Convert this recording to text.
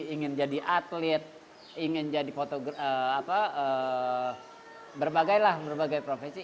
ingin jadi atlet ingin jadi fotografer berbagai lah berbagai profesi